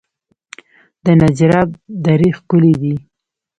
د نجراب درې ښکلې دي